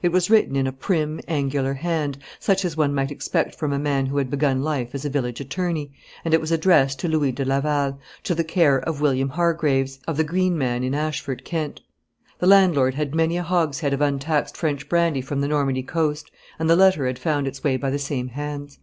It was written in a prim, angular hand, such as one might expect from a man who had begun life as a village attorney, and it was addressed to Louis de Laval, to the care of William Hargreaves, of the Green Man in Ashford, Kent. The landlord had many a hogshead of untaxed French brandy from the Normandy coast, and the letter had found its way by the same hands.